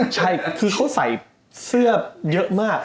ใช่คือเขาใส่เสื้อเยอะมาก